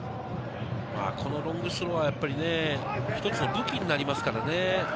このロングスローは、一つの武器になりますからね。